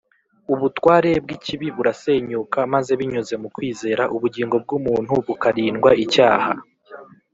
” Ubutware bw’ikibi burasenyuka maze binyuze mu kwizera, ubugingo bw’umuntu bukarindwa icyaha.